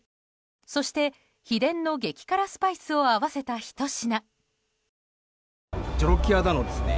そして、秘伝の激辛スパイスを合わせたひと品。